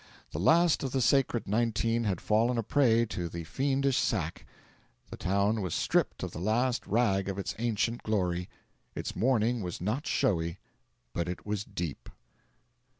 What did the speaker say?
The last of the sacred Nineteen had fallen a prey to the fiendish sack; the town was stripped of the last rag of its ancient glory. Its mourning was not showy, but it was deep.